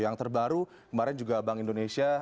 yang terbaru kemarin juga bank indonesia